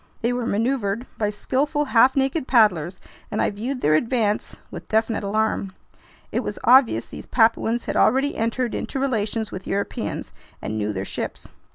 They were maneuvered by skillful, half naked paddlers, and I viewed their advance with definite alarm. It was obvious these Papuans had already entered into relations with Europeans and knew their ships.